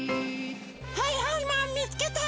はいはいマンみつけた！